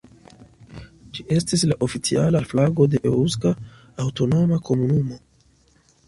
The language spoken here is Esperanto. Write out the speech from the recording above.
Ĝi estis la oficiala flago de Eŭska Aŭtonoma Komunumo.